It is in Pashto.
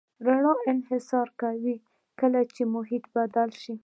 رڼا انکسار کوي کله چې محیط بدل شي.